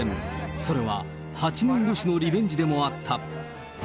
それは、８年越しのリベンジでもあった。